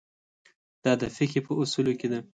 دا د فقهې په اصولو کې ده.